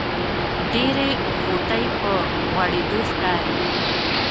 ډېرې غوټۍ په غوړېدو ښکاري.